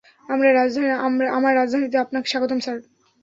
আমার রাজধানীতে আপনাকে স্বাগতম, স্যার।